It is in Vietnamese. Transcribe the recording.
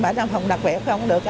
bản đồng phòng đặc biệt không được